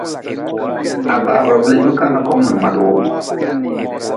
Ha bawra blihbka na kom nin madi wu.